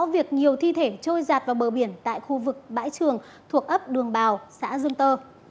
việc nhiều thi thể trôi giạt vào bờ biển tại khu vực bãi trường thuộc ấp đường bào xã dương tơ